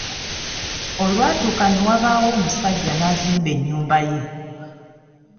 Olwatuuka ne wabaawo omusajja n’azimba ennyumba ye.